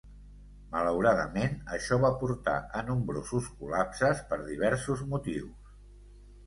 Malauradament, això va portar a nombrosos col·lapses per diversos motius.